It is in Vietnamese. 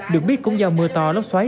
được biết cũng do mưa to lốc xoáy